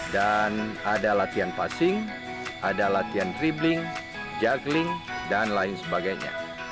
dan ada latihan passing ada latihan dribbling juggling dan lain sebagainya